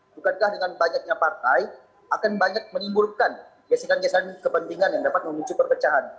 bukankah dengan banyaknya partai akan banyak menimbulkan gesekan gesekan kepentingan yang dapat memicu perpecahan